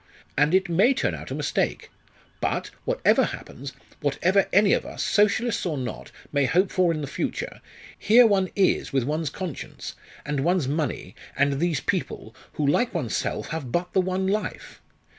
And it may turn out a mistake. But whatever happens whatever any of us, Socialists or not, may hope for in the future here one is with one's conscience, and one's money, and these people, who like oneself have but the one life?